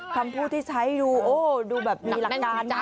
คำพูดที่ใช้ดูโอ้ดูแบบมีหลักการนะ